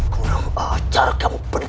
kurang ajar kamu penuh